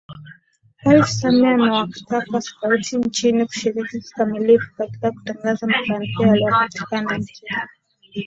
Rais Samia amewataka Skauti nchini kushiriki kikamilifu katika kutangaza mafanikio yaliyopatikana nchini